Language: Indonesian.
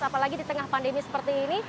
apalagi di tengah pandemi seperti ini